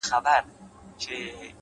مهرباني نړۍ نرموي؛